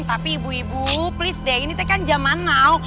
tapi ibu ibu please deh ini teh kan zaman now